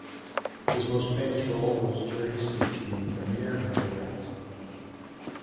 His most famous role was Jerry Sneak in "The Mayor of Garratt".